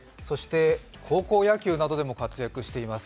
高校野球などでも活躍しています。